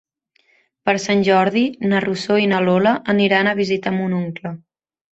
Per Sant Jordi na Rosó i na Lola aniran a visitar mon oncle.